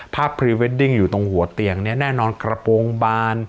พรีเวดดิ้งอยู่ตรงหัวเตียงเนี่ยแน่นอนกระโปรงบาน